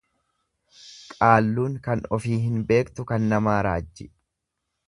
Qaalluun kan ofii hin beektu kan namaa raajji.